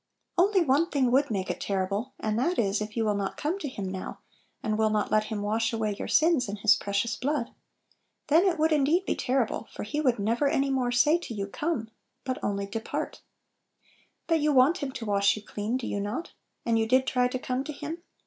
Only one thing would make it terri ble, and that is, if you will not come to Him now, and will not let Him wash away your sins in His precious blood. Then it would indeed be terrible, for He would never any more say to you " Come !" but only " Depart !" But you want Him to wash you clean, do you not ? and you did try to come to Him?